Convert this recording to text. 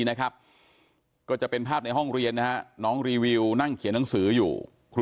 เฮ้ยใจเย็นใจเย็นใจเย็น